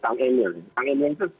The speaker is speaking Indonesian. kang emion itu terdukungnya itu tidak